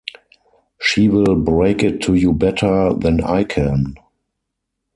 She will break it to you better than I can.